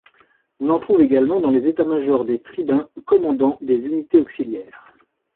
On en trouve également dans les états-majors des tribuns commandant des unités auxiliaires.